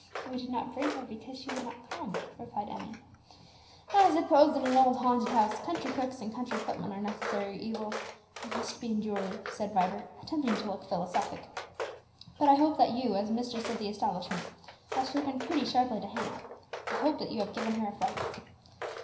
"We did not bring her, because she would not come," replied Emmie. "I suppose that in an old haunted house, country cooks and country footmen are necessary evils, and must be endured," said Vibert, attempting to look philosophic. "But I hope that you, as mistress of the establishment, have spoken pretty sharply to Hannah. I hope that you have given her a fright."